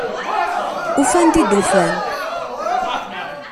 Ufan-d i d-ufan…